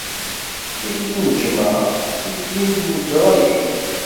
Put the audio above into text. Tikli n lǧemɛa, d tikli n wedṛagi.